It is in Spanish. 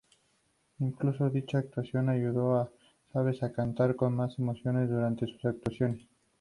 Incluso dicha actuación, ayudó a Seven a cantar con más emoción durante sus actuaciones.